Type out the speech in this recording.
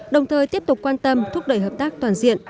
đồng thời tiếp tục quan tâm thúc đẩy hợp tác toàn diện